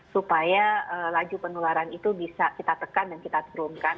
supaya laju penularan itu bisa kita tekan dan kita turunkan